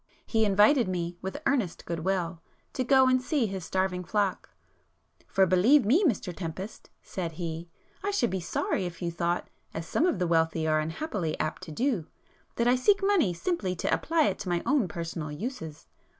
He invited me, with earnest good will, to go and see his starving flock,—"for, believe me Mr Tempest," said he—"I should be sorry if you thought, as some of the wealthy are unhappily apt to do, that I seek money simply to apply it to my own personal uses.